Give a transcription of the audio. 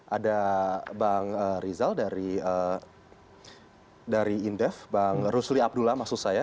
ada bang rizal dari indef bang rusli abdullah maksud saya